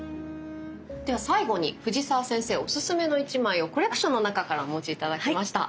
では最後に藤澤先生オススメの一枚をコレクションの中からお持ち頂きました。